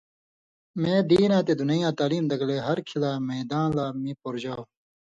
مے دیناں تے دُنَیں یاں تعلیم دگلے ہر کھِلہ (میداں) لا می پورژاؤ۔